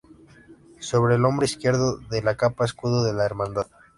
Sobre el hombro izquierdo de la capa escudo de la Hermandad.